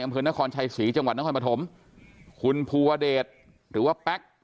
อำเภอนครชัยศรีจังหวัดนครปฐมคุณภูวเดชหรือว่าแป๊ก